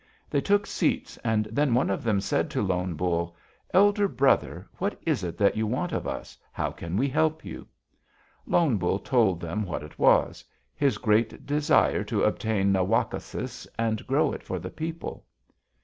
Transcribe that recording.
They took seats, and then one of them said to Lone Bull: 'Elder brother, what is it that you want of us? How can we help you?' "Lone Bull told them what it was: his great desire to obtain na wak´ o sis and grow it for the people.